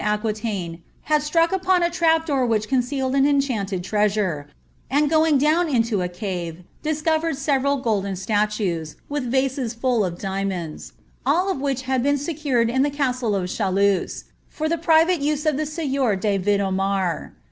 ^quitaiiie, had struck upon a trap door which concealed an eiichauled treasure,' and going down into a cave, discovered aevtnl golden statues, witli vases fuU of diamonds, all of wbich had been secured in the castle ofChalux, for tlie private use of the eteur de Vido inar.